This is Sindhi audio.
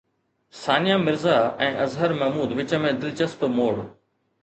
ثانيه مرزا ۽ اظهر محمود وچ ۾ دلچسپ موڙ